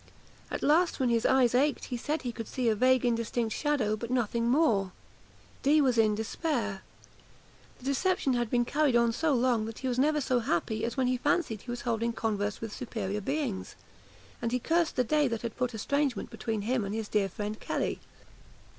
At last, when his eyes ached, he said he could see a vague indistinct shadow, but nothing more. Dee was in despair. The deception had been carried on so long, that he was never so happy as when he fancied he was holding converse with superior beings; and he cursed the day that had put estrangement between him and his dear friend Kelly.